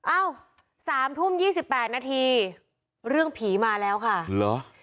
อ้าวสามทุ่มยี่สิบแปดนาทีเรื่องผีมาแล้วค่ะหรอ